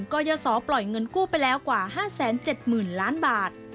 กรยศปล่อยเงินกู้ไปแล้วกว่า๕๗๐๐๐ล้านบาท